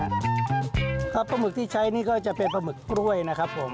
ปลาหมึกที่ใช้นี่ก็จะเป็นปลาหมึกกล้วยนะครับผม